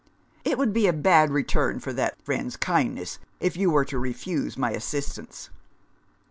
It would be a bad return for that friend's kindness if you were to refuse my assist ance."